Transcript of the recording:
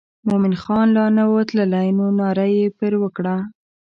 مومن خان لا نه و تللی نو ناره یې پر وکړه.